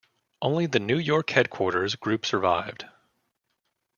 Only the New York headquarters group survived.